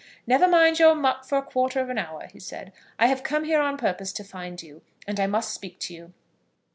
"Never mind your muck for a quarter of an hour," he said. "I have come here on purpose to find you, and I must speak to you."